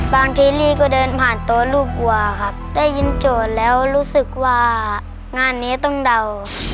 บางทีลี่ก็เดินผ่านตัวลูกวัวครับได้ยินโจทย์แล้วรู้สึกว่างานนี้ต้องเดา